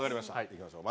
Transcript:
いきましょう。